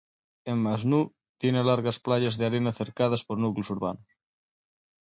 El Masnou tiene largas playas de arena cercadas por núcleos urbanos.